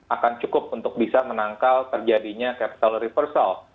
akan cukup untuk bisa menangkal terjadinya capital reversal